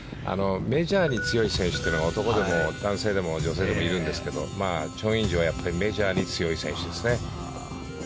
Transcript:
メジャーに強い選手というのは男性でも女性でもいるんですがチョン・インジはメジャーに強い選手ですね。